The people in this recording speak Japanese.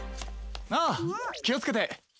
ああきをつけて。